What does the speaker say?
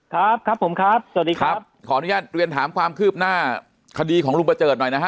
ครับครับผมครับสวัสดีครับครับขออนุญาตเรียนถามความคืบหน้าคดีของลุงประเจิดหน่อยนะฮะ